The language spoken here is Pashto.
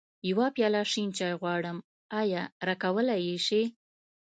يوه پياله شين چای غواړم، ايا راکولی يې شې؟